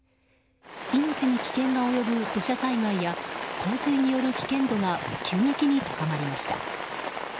命に危険が及ぶ土砂災害や洪水による危険度が急激に高まりました。